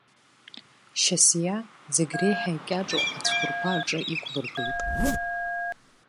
Шьасиа зегь реиҳа икьаҿу ацәқәырԥа аҿы иқәлыргылт.